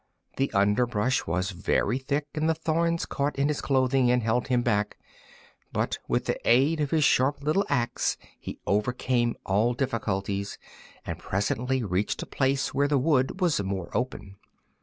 The underbrush was very thick and the thorns caught in his clothing and held him back, but with the aid of his sharp little axe he overcame all difficulties and presently reached a place where the wood was more open.